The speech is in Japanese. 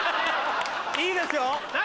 いいですよ。